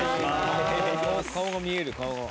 顔が見える顔が。